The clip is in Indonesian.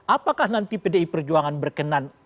apakah nanti pdi perjuangan berkenan